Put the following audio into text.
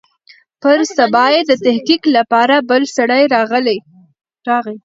پر سبا يې د تحقيق لپاره بل سړى راغى.